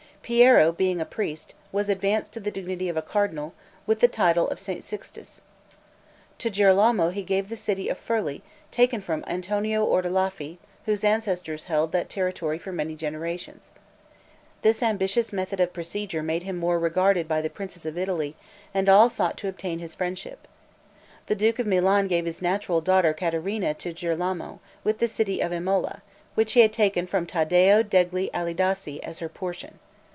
Piero being a priest, was advanced to the dignity of a cardinal, with the title of St. Sixtus. To Girolamo he gave the city of Furli, taken from Antonio Ordelaffi, whose ancestors had held that territory for many generations. This ambitious method of procedure made him more regarded by the princes of Italy, and all sought to obtain his friendship. The duke of Milan gave his natural daughter Caterina to Girolamo, with the city of Imola, which he had taken from Taddeo degli Alidossi, as her portion.